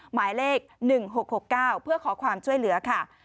หมายเลข๑๖๖๙เพื่อขอความช่วยเหลือค่ะ